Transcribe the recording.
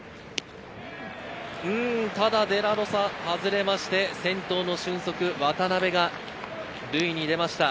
ただデラロサ、外れまして、先頭の俊足、渡辺が塁に出ました。